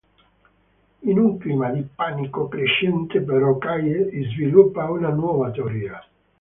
In un clima di panico crescente, però, Kaye sviluppa una nuova teoria.